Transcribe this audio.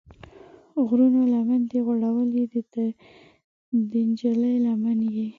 غرونو لمن ده غوړولې، د نجلۍ لمن یې